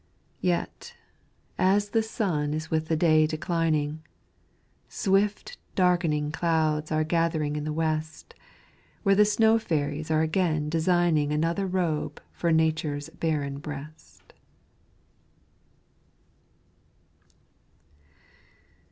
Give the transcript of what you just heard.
Yet, as the sun is with the day declining, Swift, darkening clouds are gathering in the West, Where the snow fairies are again designing Another robe for Nature's barren breast.